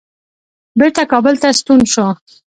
بیرته کابل ته ستون شو.